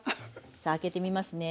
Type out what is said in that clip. さあ開けてみますね。